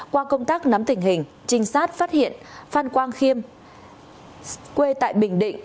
qua công tác nắm tình hình trinh sát phát hiện phan quang khiêm quê tại bình định